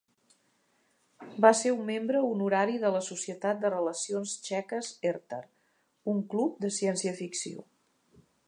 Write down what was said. Va ser un membre honorari de la Societat de relacions txeques Ertar, un club de ciència ficció.